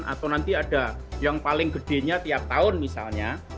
atau nanti ada yang paling gedenya tiap tahun misalnya